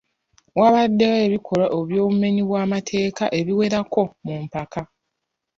Wabaddewo ebikolwa eby'obumenyi bw'amateeka ebiwerako mu ppaaka.